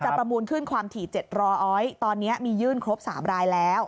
ประมูลขึ้นความถี่๗๐๐อ้อยตอนนี้มียื่นครบ๓รายแล้ว